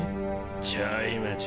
ちょい待ち